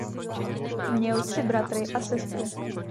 Měl tři bratry a sestru.